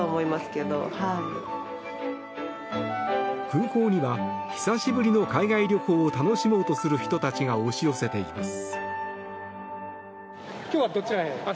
空港には久しぶりの海外旅行を楽しもうとする人たちが押し寄せています。